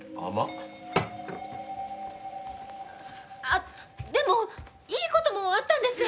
あっでもいい事もあったんです。